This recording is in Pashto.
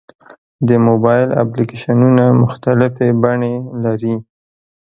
د موبایل اپلیکیشنونه مختلفې بڼې لري.